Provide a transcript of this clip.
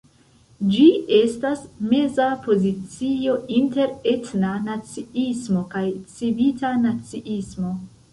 Ĝi estas meza pozicio inter etna naciismo kaj civita naciismo.